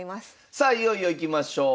さあいよいよいきましょう。